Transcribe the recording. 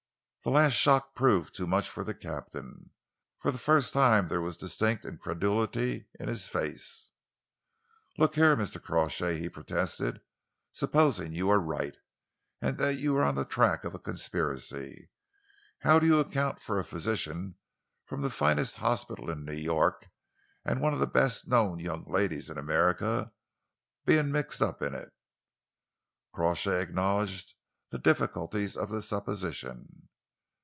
The last shock proved too much for the captain. For the first time there was distinct incredulity in his face. "Look here, Mr. Crawshay," he protested, "supposing you are right, and that you are on the track of a conspiracy, how do you account for a physician from the finest hospital in New York and one of the best known young ladies in America being mixed up in it?" Crawshay acknowledged the difficulties of the supposition.